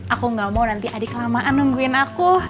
aku gak mau nanti adik kelamaan nungguin aku